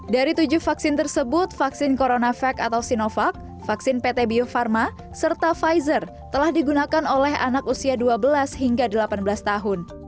dari tujuh vaksin tersebut vaksin coronavac atau sinovac vaksin pt bio farma serta pfizer telah digunakan oleh anak usia dua belas hingga delapan belas tahun